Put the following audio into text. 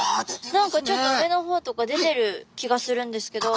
何かちょっと上の方とか出てる気がするんですけど。